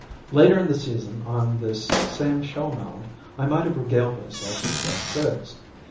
] Later in the season, on this same shell mound, I might have regaled myself with fresh figs.